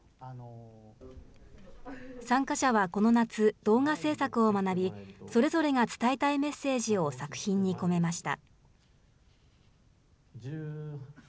参加者はこの夏、動画制作を学び、それぞれが伝えたいメッセージを作品に込めました。